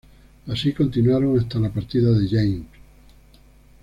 Así continuaron hasta la partida de James.